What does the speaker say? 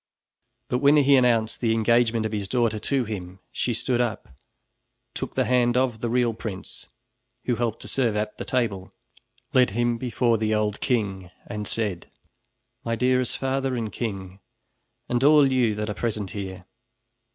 But when he announced the engagement of his daughter to him, she stood up, took the hand of the real prince, who helped to serve at the table, led him before the old king and said: "My dearest father and king, and all you that are present here!